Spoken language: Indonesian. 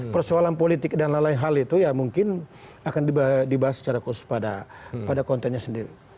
persoalan politik dan lain lain hal itu ya mungkin akan dibahas secara khusus pada kontennya sendiri